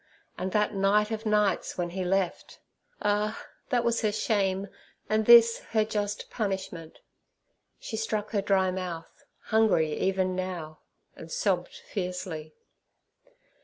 And that night of nights when he left—ah! that was her shame and this her just punishment! She struck her dry mouth, hungry even now, and sobbed fiercely.